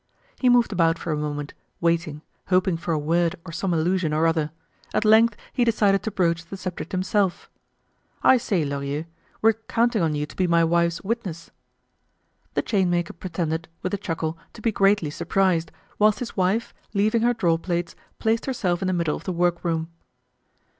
He moved about for a moment, waiting, hoping for a word or some allusion or other. At length he decided to broach the subject himself. "I say, Lorilleux, we're counting on you to be my wife's witness." The chainmaker pretended, with a chuckle, to be greatly surprised; whilst his wife, leaving her draw plates, placed herself in the middle of the work room.